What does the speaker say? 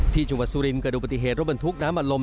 ที่จุงวัดสุรินทร์เกิดดูปฏิเหตุรบบรรทุกน้ำอัดลม